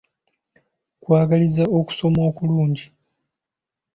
Nkwagaliza okusoma okulungi.